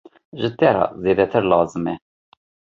Ji te re zêdetir lazim e!